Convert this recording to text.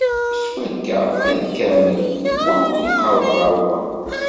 S wakka iḍ kamel, wa ur iqerreb ɣer wa.